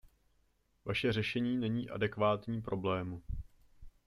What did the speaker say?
Vaše řešení není adekvátní problému.